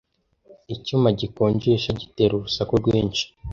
Icyuma gikonjesha gitera urusaku rwinshi.